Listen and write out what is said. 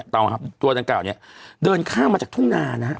ตั๋วอันนี้เดินข้ามมาจากธุมนานะ